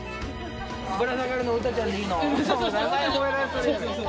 ぶら下がるの詩ちゃんでいいの？